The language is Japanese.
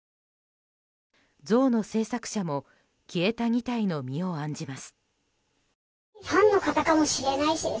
像の製作者も消えた２体の身を案じます。